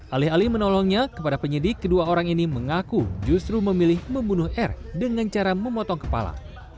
alih alih menolongnya kepada penyidik kedua orang ini mengaku justru memilih membunuh r dengan cara memotong kepala